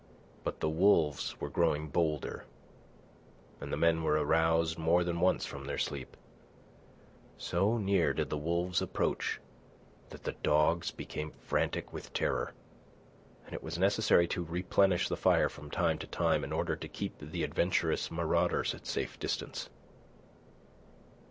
But the wolves were growing bolder, and the men were aroused more than once from their sleep. So near did the wolves approach, that the dogs became frantic with terror, and it was necessary to replenish the fire from time to time in order to keep the adventurous marauders at safer distance.